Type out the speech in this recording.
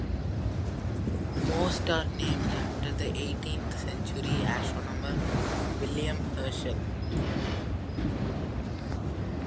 Most are named after the eighteenth-century astronomer William Herschel.